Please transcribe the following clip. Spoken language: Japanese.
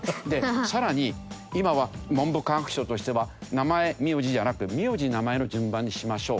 さらに今は文部科学省としては「名前名字」じゃなく「名字名前」の順番にしましょう。